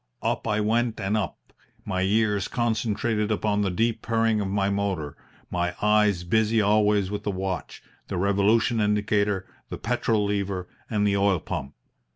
Up I went and up, my ears concentrated upon the deep purring of my motor, my eyes busy always with the watch, the revolution indicator, the petrol lever, and the oil pump.